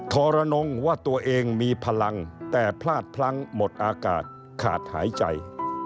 ทรนงว่าตัวเองมีพลังแต่พลาดพลั้งหมดอากาศขาดหายใจ